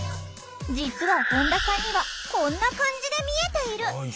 実は本田さんにはこんな感じで見えている。